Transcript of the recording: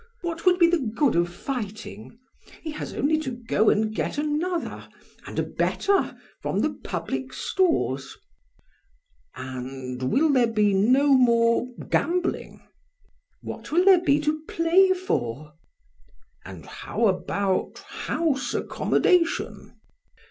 What would be the good of fighting? He has only to go and get another, and a better, from the public stores. BLEPS. And will there be no more gambling? PRAX. What will there be to play for? BLEPS. And how about house accommodation?